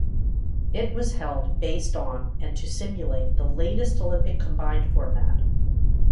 It was held based on and to simulate the latest Olympic combined format.